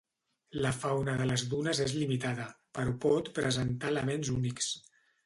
La fauna de les dunes és limitada, però pot presentar elements únics.